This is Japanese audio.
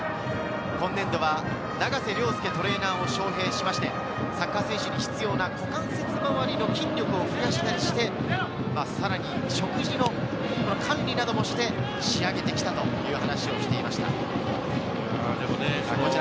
今年度は長瀬亮昌トレーナーを招聘しまして、サッカー選手に必要な股関節周りの筋力を増やしたりして、さらに食事の管理などもして仕上げてきたという話をしていました。